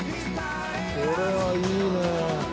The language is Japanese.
これはいいね！